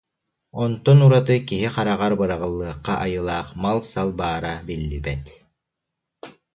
онтон ураты киһи хараҕар быраҕыллыахха айылаах мал-сал баара биллибэт